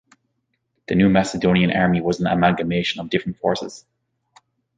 The new Macedonian army was an amalgamation of different forces.